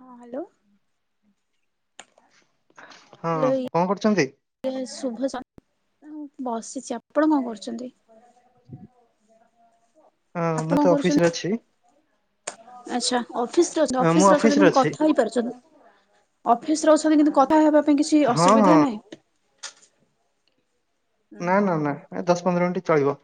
ହଁ, ହାଲୋ। ହଁ, କଣ କରୁଚନ୍ତି? ଆଜ୍ଞା, ଶୁଭ ସମ, ବସିଚି ଆପଣ କଣ କରୁଚନ୍ତି? ହଁ ମୁଁ ତ ଅଫିସରେ ଅଛି। ଆଛା, ଅଫିସ ରେ ଅଛନ୍ତି, ହଁ, ମୁଁ ଅଫିସ ରେ ଅଛନ୍ତି ଅଫିସରେ କିନ୍ତୁ ଅଛି। କଥା ହେଇପାରୁଚନ୍ତି? ଅଫିସରେ ଅଛନ୍ତି କିନ୍ତୁ କଥା ହେବା ପାଇଁ କିଛି ହଁ ହଁ ଅସୁବିଧା ନାହିଁ? ହୁଁ ନା ହୁଁ। ନା ନା, ଦଶ ପନ୍ଦର ମିନିଟ୍ ଚଳିବ।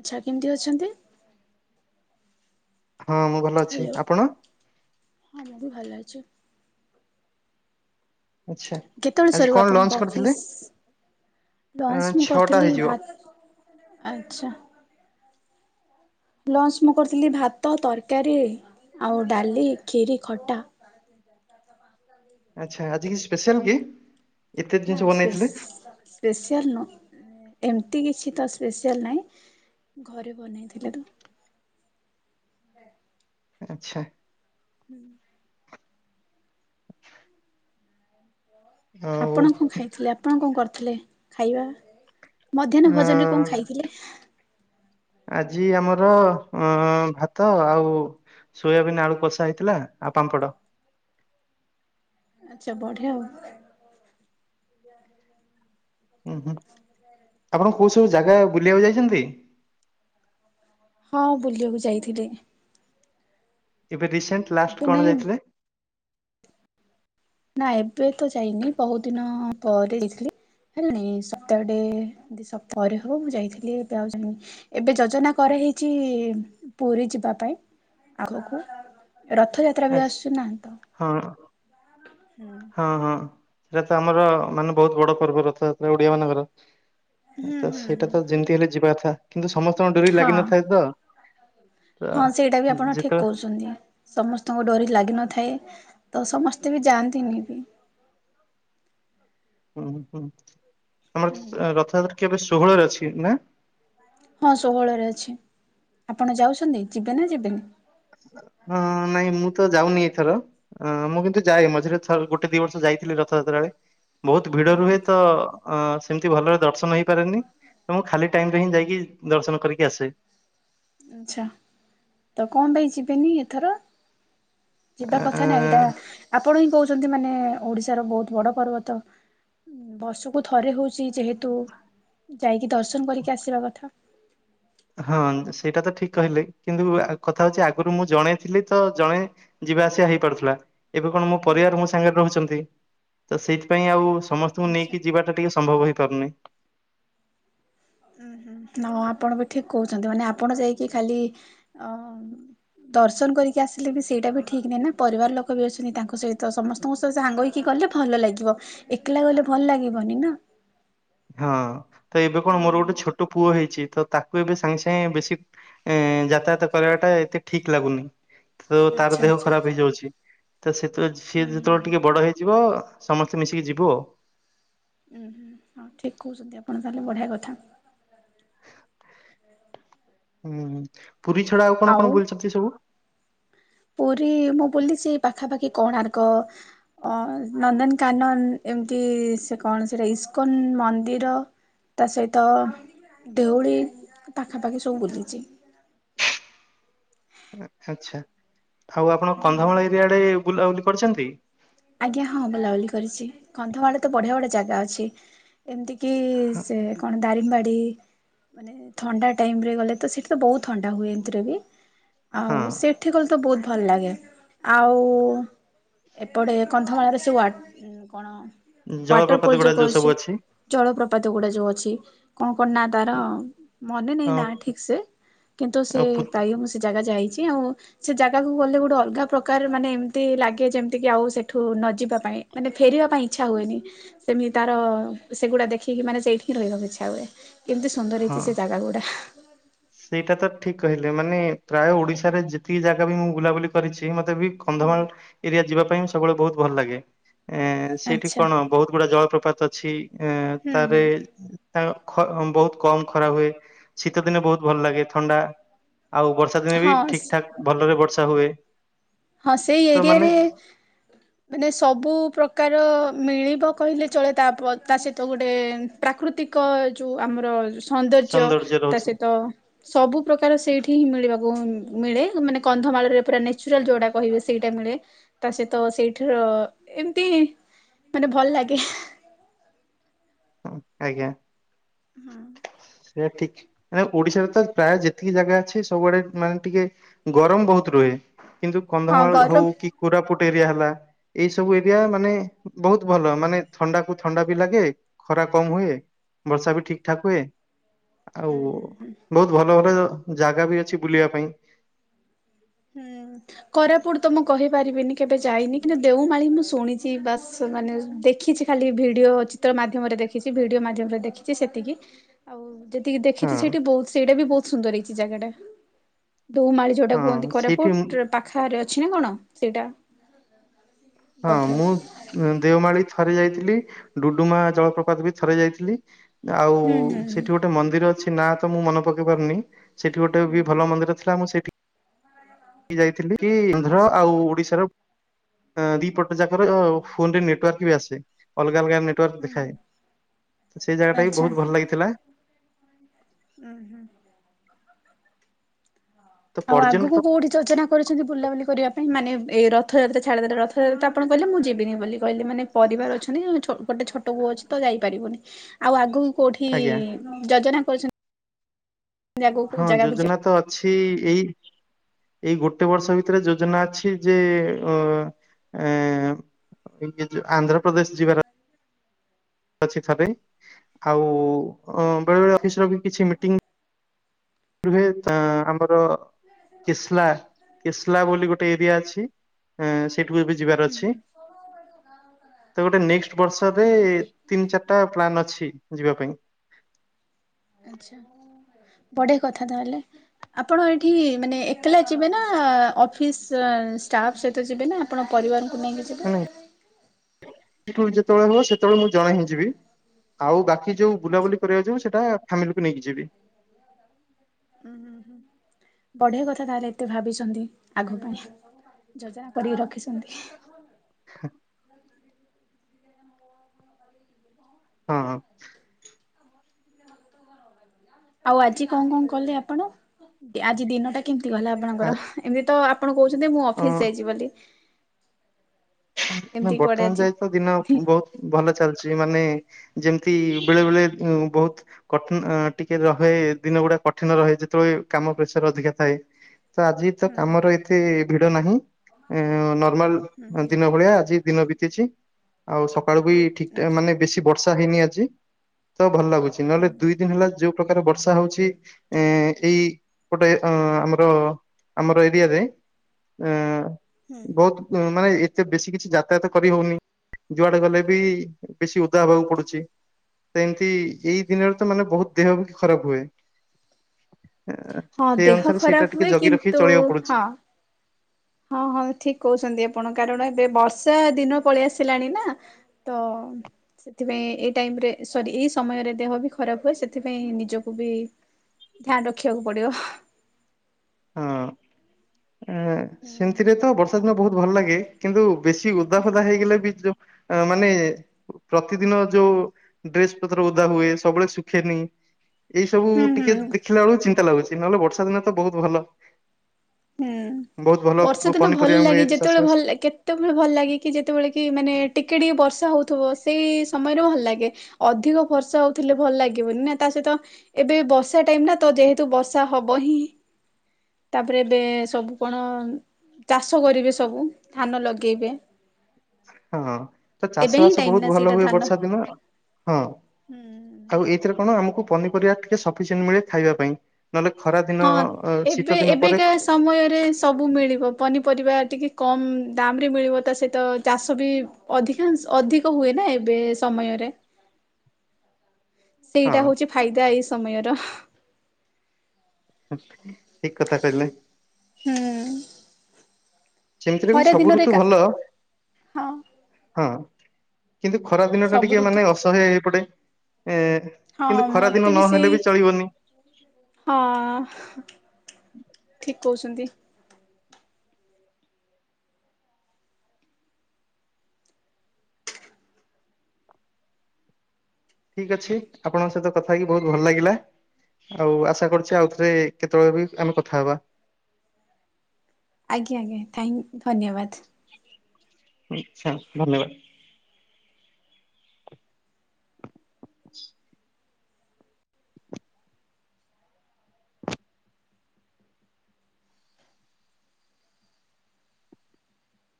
ଆଛା, କେମିତି ଅଛନ୍ତି? ହଁ, ମୁଁ ଭଲ ଅଛି, ହ୍ୟାଲୋ ଆପଣ? ହଁ, ମୁଁ ବି ଭଲ ଅଛି। ଆଚ୍ଛା। କେତେବେଳେ ଆଜି ସରିବ କଣ ଲଞ୍ଚ ଆପଣଙ୍କ କରିଥିଲେ? ଅଫିସ? ଅଁ, ଲଞ୍ଚ ମୁଁ ଛଅଟା କରିଥିଲି ହେଇଯିବ। ଭା- ଆଛା। ଲଞ୍ଚ ମୁଁ କରିଥିଲି ଭାତ, ତରକାରୀ ଆଉ ଡାଲି, ଖିରି ଖଟା। [unintelligible] ଆଛା, ଆଜି କିଛି ସ୍ପେଶାଲ କି, ଏତେ ଜିନିଷ ବନେଇଥିଲେ? ସ୍ପେସିଆଲ ନୁହ, ଏମିତି କିଛି ତ ସ୍ପେସିଆଲ ନାହିଁ, ଘରେ ବନେଇଥିଲେ ତ। [unintelligible] ଆଛା। ହୁଁ। ଆଉ ଆପଣ କଣ ଖାଇଥିଲେ, ଆପଣ କଣ କରିଥିଲେ ଖାଇବା? ମଧ୍ୟାହ୍ନ ଭୋଜନ ରେ କଣ ଅଁ, ଖାଇଥିଲେ? ଆଜି ଆମର ଅ ଭାତ ଆଉ ସୋୟାବିନ୍ ଆଳୁ କଷା ହେଇଥିଲା ଆଉ ପାମ୍ପଡ଼। ଆଛା, ବଢିଆ ଆଉ। ହୁଁ ହୁଁ ଆପଣ କୋଉ ସବୁ ଜାଗା ବୁଲିବାକୁ ଯାଇଛନ୍ତି? ହଁ ବୁଲିଆକୁ ଯାଇଥିଲି। ଏବେ ରିସେଣ୍ଟ ଏବେ ଲାଷ୍ଟ୍ ନାଇଁ କଣ ଯାଇଥିଲେ? ନା ଏବେ ତ ଯାଇନି ବହୁତ ଦିନ ପରେ ଯଇଥିଲି ହେଲାଣି ସପ୍ତାହଟେ। ସ ପରେ ହବ ମୁଁ ଯାଇଥିଲି ଏବେ ଆଉ ଜାଇନି। ଏବେ ଯୋଜନା କରାହେଇଛି ପୁରୀ ଯିବା ପାଇଁ। ଆଗକୁ ରଥଯାତ୍ରା ବି ଆଚ୍ଛା ଆସୁଛି ନାଁ ତ। ହଁ। ହୁଁ ହଁ ହଁ ସେଇଟା ତ ଆମର ମାନେ ବହୁତ ବଡ ପର୍ବ ରଥଯାତ୍ରା ଓଡିଆ ମାନଙ୍କର। ଆ ହୁଁ ତ ହୁଁ ସେଇଟା ହୁଁ ତ ଯେମିତି ହେଲେ ଯିବା ଅଥା କିନ୍ତୁ ସମସ୍ତଙ୍କ ଡୋରି ହଁ ଲାଗିନଥାଏ ତ। ତ ହଁ ସେଇଟା ବି ଆପଣ ଠିକ୍ ଯେତେବେଳେ କଉଚନ୍ତି। ସମସ୍ତଙ୍କ ଡୋରି ଲାଗିନଥାଏ ତ ସମସ୍ତେ ତ ଯାଆନ୍ତିନି ବି। ହୁଁ ହୁଁ ଆମର ରଥଯାତ୍ରା କେବେ ଷୋହଳରେ ଅଛି ନା? ହଁ ଷୋହଳରେ ଅଛି। ଆପଣ ଯାଉଛନ୍ତି? ଯିବେ ନା ଯିବେନି। ହଁ ନାହିଁ ମୁଁ ତ ଯାଉନି ଏଥର। ଅ ମୁଁ କିନ୍ତୁ ଯାଏ ମଝିରେ ଥ ଗୋଟେ ଦି ବର୍ଷ ଯାଇଥିଲି ରଥଯାତ୍ରା ବେଳେ ବହୁତ୍ ଭିଡ ରୁହେ ତ। ଅ ସେମିତି ଭଲରେ ଦର୍ଶନ ହେଇପାରେନି ତ ମୁଁ ଖାଲି ଟାଇମ୍ ରେ ହିଁ ଯାଇକି ଦର୍ଶନ କରିକି ଆସେ। ଆଛା। ତ କଣ ପାଇଁ ଯିବେନି ଏଥର? ଯିବା କଥା ନାଁ ଏଇଟା ଆ ଆପଣ ହିଁ କହୁଛନ୍ତି ମାନେ ଓଡିଶାର ବହୁତ ବଡ ପର୍ବ ତ। ବର୍ସୁକୁ ଥରେ ହଉଚି ଯେହେତୁ ଯାଇକି ଦର୍ଶନ କରିକି ଆସିବା କଥା। ହଁ ସେଇଟା ତ ଠିକ୍ କହିଲେ କିନ୍ତୁ ଆ କଥା ହଉଚି ଆଗରୁ ମୁଁ ଜଣେ ଥିଲି ତ ଜଣେ। ଯିବା ଆସିଆ ହେଇପାରୁଥିଲା ଏବେ କଣ ମୋ ପରିବାର ମୋ ସାଙ୍ଗରେ ରହୁଚନ୍ତି। ତ ସେଇଥିପାଇଁ ଆଉ ସମସ୍ତଙ୍କୁ ଆଚ୍ଛା। ନେଇକି ଯିବା ଟା ଟିକେ ସମ୍ଭବ ହେଇପାରୁନି। ଉଁ ହୁଁ ହଁ ଆପଣ ବି ଠିକ୍ କହୁଛନ୍ତି ମାନେ ଆପଣ ଯାଇକି ଖାଲି ଅ ଦର୍ଶନ କରିକି ଆସିଲେ ବି ସେଇଟା ବି ଠିକ୍ ନାହିଁ ନା ପରିବାର ଲୋକ ବି ଅଛନ୍ତି ତାଙ୍କ ସହିତ ସମସ୍ତେ। ତମ ସ ସାଙ୍ଗ ହେଇକି ଗଲେ ଭଲ ଲାଗିବ। ଏକଲା ଗଲେ ଭଲ ଲାଗିବନି ନା ହଁ ତ ଏବେ କଣ ମୋର ହୁଁ ଗୋଟେ ଛୋଟ ପୁଅ ହେଇଚି ତ ତାକୁ ଏବେ ସାଙ୍ଗେ ସାଙ୍ଗେ ବେଶୀ। ଏ ଯାତାୟାତ କରିବାଟା ଏତେ ଠିକ୍ ଲାଗୁନି। ତ ତାର ଆଚ୍ଛା ଦେହ ଆଚ୍ଛା। ଖରାପ ହେଇଯାଉଚି ତ ସେତଳେ ସିଏ ଉୁଁ ହୁଁ ଯେତେବେଳେ ହୁଁ ଟିକେ ବଡ ହେଇଯିବ। ସମସ୍ତେ ମିଶିକି ଯିବୁ ଆଉ। ଉଁ ହୁଁ ହଁ ଠିକ୍ କହୁଚନ୍ତି ଆପଣ ତାହେଲେ ବଢ଼ିଆ କଥା। ଉଁ ହୁଁ ପୁରୀ ଛଡା ଆଉ କଣ କଣ ବୁଲିଛନ୍ତି ସବୁ। ପୁରୀ ମୁଁ ବୁଲିଚି ପାଖାପାଖି କୋଣାର୍କ। ଅ ନନ୍ଦନକାନନ ଏମିତି ସେ କଣ ସେଟା ଇସ୍କନ ମନ୍ଦିର ତା ସଇତ ଦେଉଳି ପାଖାପାଖି ସବୁ ବୁଲିଚି। ଆଚ୍ଛା। ଆଉ ଆପଣ ହୁଁ କନ୍ଧମାଳ ଏରିଆ ଆଡେ ବୁଲାବୁଲି କରିଛନ୍ତି। ଆଜ୍ଞା ହଁ ବୁଲାବୁଲି କରିଚି। କନ୍ଧମାଳ ତ ବଢିଆ ବଢିଆ ଜାଗା ଅଛି। ଏମିତି କି ସେ କଣ ଦାରିମବାଡି। ମାନେ ଥଣ୍ଡା ଟାଇମ୍ ରେ ଗଲେ ତ ସେଠି ତ ବହୁତ୍ ଥଣ୍ଡା ହୁଏ ଏମିତିରେ ବି ହଁ ଆଉ ସେ- ଗଲେ ତ ବହୁତ ଭଲ ଲାଗେ ଆଉ ପଡେ କନ୍ଧମାଳରେ ସେ ୱାଟ କଣ ଜଳପ୍ରପାତ ୱାଟରପଲ୍ ଯୋଉ ଗୁଡା ସବୁ କରିଚି ଅଛି ଜଳପ୍ରପାତ ଗୁଡା ଯୋଉ ଅଛି। କଣ କଣ ନା ତାର? ମନେ ନାଇଁ ଅ ନା ଠିକ୍ ସେ କିନ୍ତୁ ଅ ସେ ପୁ ପ୍ରାୟ ମୁଁ ସେ ଜାଗା ଯାଇଚି ଆଉ। ସେ ଜାଗାକୁ ଗଲେ ଗୋଟେ ଅଲଗା ପ୍ରକାର ମାନେ ଏମିତି ଲାଗେ ଯେମ୍। ତିକି ଆଉ ସେଠୁ ନ ଯିବା ପାଇଁ ମାନେ ଫେରିବା ପାଇଁ ଇଚ୍ଛା ହୁଏନି। ସେମି ତାର ସେଗୁଡା ଦେଖିକି ମାନେ ସେଇଠି ହିଁ ରହିବାକୁ ଇଚ୍ଛା ହୁଏ। କେମିତି ସୁନ୍ଦର ହଁ। ହେଇଚି ସେ ଜାଗା ଗୁଡା। ସେଇଟା ତ ଠିକ୍ କହିଲେ ମାନେ ପ୍ରାୟ ଓଡିଶାରେ ଯେତିକି ଜାଗା ମୁଁ ବୁଲାବୁଲି। କରିଛି ମତେ ବି ହୁଁ। କନ୍ଧମାଳ ଏରିଆ ଯିବା ପାଇଁ ସବୁବେଳେ ବହୁତ ଭଲ ଲାଗେ ଏ ସେଇଠି ଆଚ୍ଛା କଣ ବୋହୁତ୍ ଗୁଡା ଜଳପ୍ରପାତ ଅଛି। ଏ ହୁଁ ହୁଁ ତାରେ ତାଙ୍କ ଖ ବୋହୁତ୍ କମ୍ ଖରା ହୁଏ। ଶୀତ ଦିନେ ବୋହୁତ୍ ଭଲ ଲାଗେ ଥଣ୍ଡା, ଆଉ ବର୍ଷା ଦିନେ ବି ହଁ ଠିକ୍ ଠାକ୍ ଭଲରେ ବର୍ଷା ହୁଏ। ହଁ ସେଇ ତ ମାନେ ଏରିଆରେ ମାନେ ସବୁ ପ୍ରକାର ମିଳିବ କହିଲେ ଚଳେ, ତା ତା ସହିତ ଗୋଟେ ପ୍ରାକୃତିକ ଯୋଉ ଆମର ସୌନ୍ଦର୍ଯ୍ୟ, ତା ସହିତ ସବୁ ପ୍ରକାର ସେଇଠି ହିଁ ମିଳିବାକୁ ମିଳେ। ମାନେ କନ୍ଧମାଳରେ ପୁରା ନେହୁରାଲ୍ ଯୋଉଟା କହିବେ ସେଇଟା ମିଳେ। ତା ସହିତ ସେଇଠିର ଏମ୍ତି ମାନେ ଭଲ ଲାଗେ ହଁ ଆଜ୍ଞା। ହଁ। ସେଇଆ ଠିକ୍। ମାନେ ଓଡିଶାରେ ତ ପ୍ରାୟ ଯେତିକି ଜାଗା ଅଛି ସବୁଆଡେ ମାନେ ଟିକେ ଗରମ ବୋହୁତ୍ ରହେ। କିନ୍ତୁ ହଁ କନ୍ଧମାଳ ହଉ ଗରମ କି କୋରାପୁଟ୍ ଏରିଆ ହେଲା ଏଇ ସବୁ ଏରିଆ ମାନେ, ବୋହୁତ୍ ଭଲ ମାନେ ଥଣ୍ଡା କୁ ଥଣ୍ଡା ବି ଲାଗେ ଖରା କମ୍ ହୁଏ ବର୍ଷା ବି ଠିକ୍ ଠାକ୍ ହୁଏ। ଆଉ ବୋହୁତ୍ ଭଲ ଭଲ ଜାଗା ବି ଅଛି ବୁଲିବା ପାଇଁ। ହୁଁ। କୋରାପୁଟ୍ ତ ମୁଁ କହିପାରିବିନି କେବେ ଯାଇନି, କିନ୍ତୁ ଦେଉମାଳି ମୁଁ ଶୁଣିଛି ବାସ୍ ମାନେ ଦେଖିଛି। ଖାଲି ଭିଡିଓ ଚିତ୍ର ମାଧ୍ୟମରେ ଦେଖିଛି। ଭିଡିଓ ମାଧ୍ୟମରେ ଦେଖିଛି ସେତିକି। ଆଉ ଯେତିକି ଦେଖିଛି ହଁ ସେଇଠି ବୋହୁତ୍ ସେଇଟା ବି ବୋହୁତ୍ ସୁନ୍ଦର ହେଇଛି ଜାଗାଟା। ଦୋଉମାଳି ଯୋଉଟା କୁହନ୍ତି ହଁ ସେଇଠି କୋରାପୁଟ୍ ପାଖ ଏରିଆ ରେ ଅଛି ନା କଣ ସେଇଟା? ହଁ ବୋଧେ। ମୁଁ ଦେଓମାଳି ଥରେ ଯାଇଥିଲି। ଡୁଡୁମା ଜଳପ୍ରପାତ ବି ଥରେ ଯାଇଥିଲି। ଆଉ ହୁଁ ହୁଁ ହୁଁ ସେଠି ଗୋଟେ ମନ୍ଦିର ଅଛି, ନା ତ ମୁଁ ମନେ ପକେଇ ପାରୁନି। ସେଠି ଗୋଟେ ହୁଁ ବି ହୁଁ ଭଲ ମନ୍ଦିର ତ ମୁଁ ସେଇଠି କି ଯାଇଥିଲି କି ଆନ୍ଧ୍ର ଆଚ୍ଛା ଆଉ ଓଡିଶାର ହଁ ଦି ପଟ ଯାକର ଫୋନ୍ ରେ ନେଟ୍ ୱାର୍କ ବି ଆସେ। ଅଲଗା, ଅଲଗା ଟପ୍ ହୁଁ ଦେଖାଏ। ହୁଁ ତ ସେଇ ଜାଗା ଟା ବି ଆଚ୍ଛା ବୋହୁତ୍ ଭଲ ଲାଗିଥିଲା। ଉୁଁ ହୁଁ। ତ ଆଉ ପର୍ଯ୍ୟଟନ ଆଗକୁ କୋଉଠି ଯୋଜନା କରିଛନ୍ତି ବୁଲାବୁଲି କରିବା ପାଇଁ? ମାନେ ଏହି ରଥ ଯାତ୍ରା ଛାଡିଦେଲେ ରଥଯାତ୍ରା ଆପଣ କହିଲେ ମୁଁ ଯିବିନି ବୋଲି କହିଲେ ମାନେ ପରିବାର ଅଛନ୍ତି। ଛ-ଗୋଟେ ଛୋଟ ପୁଅ ଅଛି ତ ଯାଇପାରି ବୁନି। ଆଉ ଆଗକୁ କୋଉଠି ଆଜ୍ଞା ଯୋଜନା କରୁଛନ୍ତି? ହଁ ଯିବେ? ଯୋଜନା ତ ଅଛି ଏଇ ଏଇ ଗୋଟେ ବର୍ଷ ଭିତରେ ଯୋଜନା ଅଛି ଯେ ଅ ଆ ଇଏ ଯ ଆନ୍ଧ୍ରପ୍ରଦେଶ ଯିବାର ଅଛି ଥରେ। ଆଉ ବେଳେ ବେଳେ ଅଫିସ୍ ର କିଛି ମିଟିଂ ରୁହେ ଆମର, କିସ୍ଲା କିସ୍ଲା ବୋଲି ଗୋଟେ ଏରିଆ ଅଛି। ହୁଁ, ସେଇଠୁ ଏବେ ଯିବାର ଉଁ ଅଛି। ହୁଁ ତ ଗୋଟେ ନେଷ୍ଟ ବର୍ଷରେ ତିନି ଚାରିଟା ପ୍ଲାନ୍ ଅଛି ଯିବା ପାଇଁ। ଆଛା ବଢିଆ କଥା ତାହଲେ। ଆପଣ ଏଇଠି ମାନେ ଏକଲା ଯିବେ ନା? ଅଫିସ୍ ଷ୍ଟାଫ୍ ସହିତ ଯିବେ ନା ଆପଣ ପରିବାରକୁ ନେଇକି ଯିବେ? ମାନେ ଏଠୁ ଯେତେବେଳେ ହବ ସେତେବେଳେ ମୁଁ ଜଣେ ହିଁ ଯିବି। ଆଉ ବାକି ଯୋଉ ଆଚ୍ଛା। ବୁଲାବୁଲି କରିବାକୁ ଯିବ ସେଇଟା ଫ୍ୟାମିଲିକୁ ନେଇକି ଯିବି। ଉଁ ହୁ ହୁଁ। ବଢିଆ କଥା ତାହଲେ ଏତେ ଭାବିଛନ୍ତି, ଆଗକୁ। ଯୋଜନା କରିକି ରଖିଛନ୍ତି। ହ। ହଁ। ଆଉ ଆଜି କଣ କଣ କଲେ ଆପଣ? ଆଜି ଦିନ ଟା କେମିତି ଗଲା ଆ- ଆପଣଙ୍କର? ଏମିତି ତ ଆପଣ କହୁଛନ୍ତି ମୁଁ ଅଫିସ୍ ଅ, ଯାଇଚି ବୋଲି। ନା ଏମିତି କୁଆଡେ ବର୍ତ୍ତମାନ ଆଜି ଯାଇ ତ ଦିନ ହୁଁ ବହୁତ୍ ଭଲ ଚାଲିଚି। ମାନେ ଯେମିତି ବେଳେ ବେଳେ ବହୁତ୍ କଠିନ ଟିକେ ରହେ ଦିନ ଗୁଡା କଠିନ ରହେ ଯେତେବେଳେ କାମ ପ୍ରେସର୍ ଅଧିକା ଥାଏ। ତ ଆଜି ତ କାମର ହୁଁ ଏତେ ଭିଡ ନାହିଁ। ନର୍ମାଲ୍ ହୁଁ ଦିନ ଭଳିଆ ଆଜି ଦିନ ବିତିଛି। ଆଉ ସକାଳୁ ବି ଠିକ୍ ଆଚ୍ଛା ମାନେ ବେଶି ବର୍ଷା ହେଇନି ଆଜି। ତ ଭଲ ଲାଗୁଚି। ନହେଲେ ହୁଁ ଦୁଇ ଦିନ ହେଲା ଯୋଉ ପ୍ରକାର ବର୍ଷା ହଉଚି ଏ ଏଇ ପଟେ ଅ ଆମର ଆମର ଏରିଆରେ, ଅ ହୁଁ। ବହୁତ୍ ମାନେ ଏ ଏତେ ବେଶୀ କିଛି ଯାତାୟାତ କରିହଉନି। ଯୁଆଡେ ଗଲେ ବି ବେଶି ଓଦା ହେବାକୁ ପଡୁଚି। ଏମତି ଏଇ ଦିନରେ ତ ମାନେ ବହୁତ୍ ଦେହ ବି ଖରାପ୍ ହୁଏ। ହଁ ସେଇ ଦେହ ଅନୁସାରେ ଖରାପ ସେଇଟା ଟିକେ ହୁଏ ଜଗି ରଖି କିନ୍ତୁ ଚଳିବାକୁ ପଡୁଚି। ହଁ ହଁ ହଁ ଠିକ୍ କହୁଛନ୍ତି ଆପଣ। କାରଣ ଏବେ ବର୍ଷା ଦିନ ପଳେଇ ଆସିଲାଣି ନା। ତ ସେଥିପାଇଁ ଏଇ ଟାଇମ୍ ରେ ସରି ଏଇ ସମୟରେ ଦେହ ବି ଖରାପ୍ ହୁଏ। ସେଥିପାଇଁ ନିଜକୁ ବି ଧ୍ୟାନ୍ ରଖିବାକୁ ପଡିବ। ହଁ। ହୁଁ ସେମିତିରେ ତ ବର୍ଷା ଦିନ ବହୁତ୍ ଭଲ ଲାଗେ। କିନ୍ତୁ ବେଶି ଓ ଓଦା ହୁଁ ଫୋଦା ହେଇଗଲେ ବି ଯୋଉ ମାନେ ପ୍ରତିଦିନ ଯୋଉ ଡ୍ରେସ୍ ପତ୍ର ଓଦା ହୁଏ ସବୁବେଳେ ଶୁଖେନି ଏଇ ସବୁ ହୁଁ ଟିକେ ହୁଁ ଦେଖିଲା ବେଳକୁ ଚିନ୍ତା ଲାଗୁଚି। ନହେଲେ ବର୍ଷା ଦିନ ତ ବହୁତ୍ ଭଲ। ହୁଁ। ବହୁତ ଭଲ ବର୍ଷା ଦିନ ଭଲ ପନିପରିବା ମିଳେ ଲାଗେ। ଚାଷ ଯେତେବେଳେ ବାସ ଭଲ ଲା କେ ସେତେବେଳେ ଭଲ ଲାଗେ କି ଯେତେବେଳେ କି ମାନେ ଟିକେ ଟିକେ ବର୍ଷା ହୋଉଥିବ ସେଇ ସମୟରେ ଭଲ ଲାଗେ। ଅଧିକ ବର୍ଷା ହଉଥିଲେ ଭଲ ଲାଗିବନି ନା। ତା ସହିତ ଏବେ ବର୍ଷା ଟାଇମ୍ ନା ତ ଯେହେତୁ ବର୍ଷା ହବ ହିଁ। ତାପରେ ଏବେ ସବୁ କଣ ଚାଷ କରିବେ ସବୁ ଧାନ ଲଗେଇବେ। ହଁ। ତ ଚାଷ ଏବେ ହିଁ ବାସ ଟାଇମ ବହୁତ୍ ନା ଭଲ ସେଇଟା ହୁଏ ଧାନ ବର୍ଷା ଦିନ। ହଁ। ହୁଁ। ଆଉ ଏଇଥିରେ କଣ ଆମକୁ ପନିପରିବା ଟିକେ ସପିସେଣ୍ଟ ମିଳେ ଖାଇବା ପାଇଁ। ନହେଲେ ଖରା ଦିନ ହଁ ଅ ଏବେ ଶୀତ ଦିନ ପରେ ଏବେକା ସମୟରେ ସବୁ ମିଳିବ। ପନିପରିବା ଟିକେ କମ୍ ଦାମ୍ ରେ ମିଳିବ। ତା ସହିତ ଚାଷ ବି ଅଧିକାଂଶ ଅଧିକ ହୁଏ ନା ଏବେ ସମୟରେ। ହଁ ସେଇଟା ହଉଚି ଫାଇଦା ଏଇ ସମୟର। ଠିକ୍ କଥା କହିଲେ। ହୁଁ। ସେମିତିରେ ବି ଖରା ସବୁ ଦିନରେ ଋତୁ କା ଭଲ। ହଁ। ହଁ। କିନ୍ତୁ ଖରା ଦିନ ଟା ସବୁ ଟିକେ ଋତୁ ମାନେ ଅସହ୍ୟ ହେଇପଡେ। ଏ ହଁ କିନ୍ତୁ ଖରା ମତେ ଦିନ ସେଇ ନହେଲେ ବି ଚଳିବନି। ହଁ। ଠିକ୍ କହୁଛନ୍ତି। ଠିକ୍ ଅଛି। ଆପଣଙ୍କ ସହିତ କଥା ହେଇକି ବହୁତ୍ ଭଲ ଲାଗିଲା। ଆଉ ଆଶା କରୁଚି ଆଉଥରେ କେତେବେଳେ ବି ଆମେ କଥା ହବା। ଆଜ୍ଞା ଆଜ୍ଞା ଥାଇଁ ଧନ୍ୟବାଦ୍। ଆଚ୍ଛା ଧନ୍ୟବାଦ୍। [inaudible]